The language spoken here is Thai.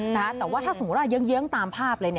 แต่ว่าถ้าสมมุติว่าเยื้องตามภาพเลย